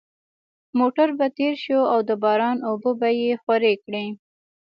موټر به تېر شو او د باران اوبه به یې خورې کړې